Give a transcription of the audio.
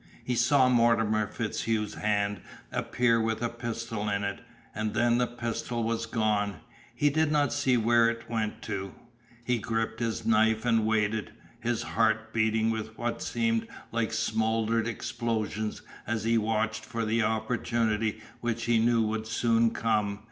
He saw Mortimer FitzHugh's hand appear with a pistol in it, and then the pistol was gone. He did not see where it went to. He gripped his knife and waited, his heart beating with what seemed like smothered explosions as he watched for the opportunity which he knew would soon come.